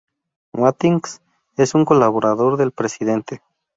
Watkins es un colaborador del Presidente.